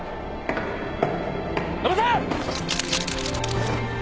伸ばせ！